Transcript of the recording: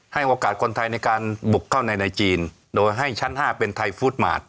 ให้โอกาสคนไทยในการบุกเข้าในในจีนโดยให้ชั้น๕เป็นไทยฟู้ดมาร์ท